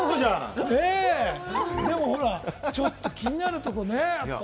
でもほら、ちょっと気になるところ、ほらね？